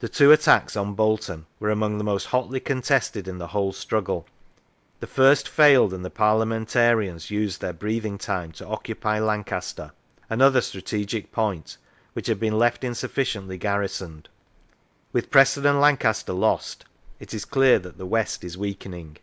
The two attacks on Bolton were among the most hotly contested in the whole struggle; the first failed, and the Parliamentarians used their breathing time to occupy Lancaster, another strategic point, which had been left insufficiently garrisoned. With Preston and Lancaster lost, it is clear that the west is weakening.